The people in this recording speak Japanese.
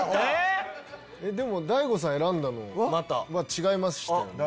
でも大悟さん選んだのは違いましたよね。